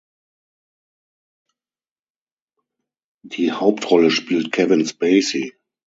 Die Hauptrolle spielt Kevin Spacey.